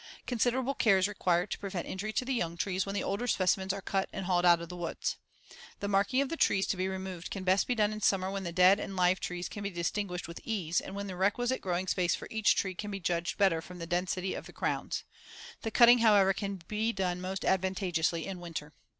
Considerable care is required to prevent injury to the young trees when the older specimens are cut and hauled out of the woods. The marking of the trees to be removed can best be done in summer when the dead and live trees can be distinguished with ease and when the requisite growing space for each tree can be judged better from the density of the crowns. The cutting, however, can be done most advantageously in winter.